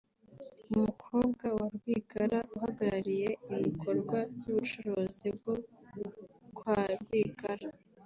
umukobwa wa Rwigara uhagarariye ibikorwa by’ubucuruzi bwo kwa Rwigara